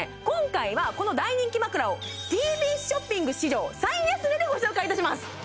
今回はこの大人気枕をＴＢＳショッピング史上最安値でご紹介いたします！